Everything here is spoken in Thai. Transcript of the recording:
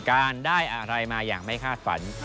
การได้อะไรมาอย่างไม่คาดฝัน